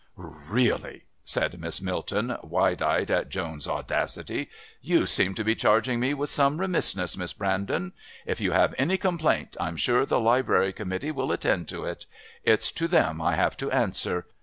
"Really," said Miss Milton, wide eyed at Joan's audacity. "You seem to be charging me with some remissness, Miss Brandon. If you have any complaint, I'm sure the Library Committee will attend to it. It's to them I have to answer.